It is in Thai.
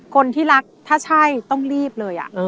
คนที่รักถ้าใช่ต้องรีบเลย